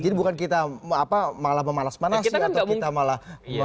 jadi bukan kita malah memalas malasi